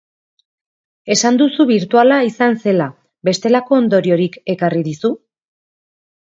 Esan duzu birtuala izan zela, bestelako ondoriorik ekarri dizu?